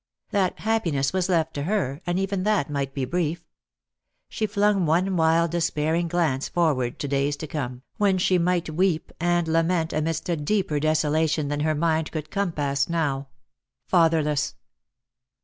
That happi ness was left to her, and even that might be brief. She flung one wild despairing glance forward to days to come, when she might weep and lament amidst a deeper desolation than her mind could compass now — fatherless.